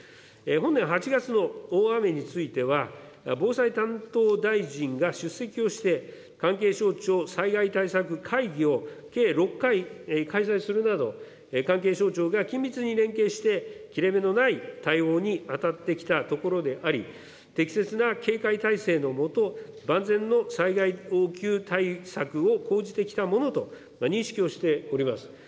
本年８月の大雨については、防災担当大臣が出席をして、関係省庁災害対策会議を計６回開催するなど、関係省庁が緊密に連携して、切れ目のない対応に当たってきたところであり、適切な警戒体制の下、万全の災害応急対策を講じてきたものと認識をしております。